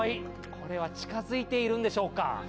これは近づいているんでしょうか？